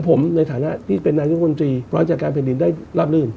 โทษคุยกันตลอดเวลาไม่ได้มีการขาดแชง